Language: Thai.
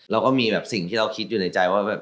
เราก็มีแบบสิ่งที่เราคิดอยู่ในใจว่าแบบ